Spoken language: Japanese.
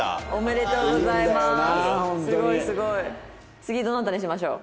次どなたにしましょう。